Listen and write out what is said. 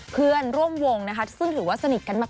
เพื่อนร่วมวงนะคะซึ่งถือว่าสนิทกันมาก